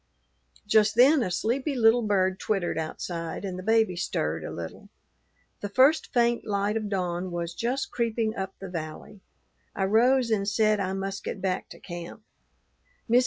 Just then a sleepy little bird twittered outside, and the baby stirred a little. The first faint light of dawn was just creeping up the valley. I rose and said I must get back to camp.